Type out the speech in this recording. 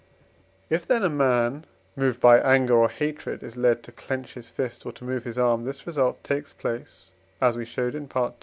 If, then, a man, moved by anger or hatred, is led to clench his fist or to move his arm, this result takes place (as we showed in Pt.